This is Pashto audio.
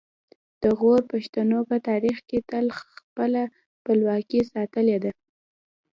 د غور پښتنو په تاریخ کې تل خپله خپلواکي ساتلې ده